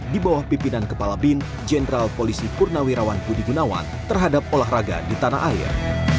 di bawah pimpinan kepala bin jenderal polisi purnawirawan budi gunawan terhadap olahraga di tanah air